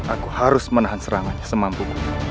aku harus menahan serangannya semampu